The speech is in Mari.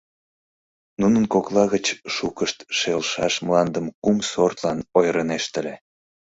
Нунын кокла гыч шукышт шелшаш мландым кум сортлан ойырынешт ыле.